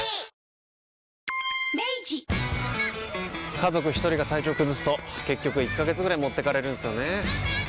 家族一人が体調崩すと結局１ヶ月ぐらい持ってかれるんすよねー。